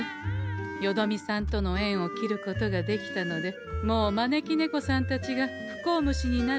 よどみさんとの縁を切ることができたのでもう招き猫さんたちが不幸虫になる心配もござんせん。